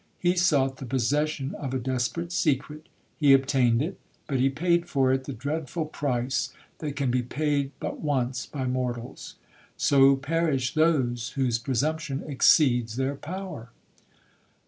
He sought the possession of a desperate secret—he obtained it, but he paid for it the dreadful price that can be paid but once by mortals. So perish those whose presumption exceeds their power!'